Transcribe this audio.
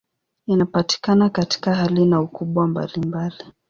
Inapatikana katika hali na ukubwa mbalimbali.